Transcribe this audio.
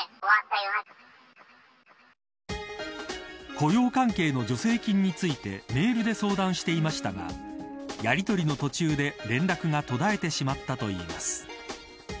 雇用関係の助成金についてメールで相談していましたがやりとりの途中で連絡が途絶えてしまったといいます。